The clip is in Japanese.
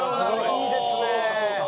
いいですね！